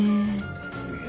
いや。